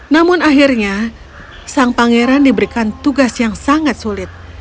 namun akhirnya sang pangeran diberikan tugas yang sangat sulit